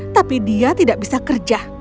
tapi dia tidak bisa kerja